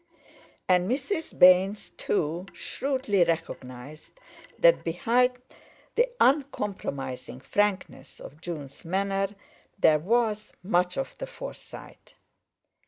And Mrs. Baynes, too, shrewdly recognized that behind the uncompromising frankness of Jun's manner there was much of the Forsyte.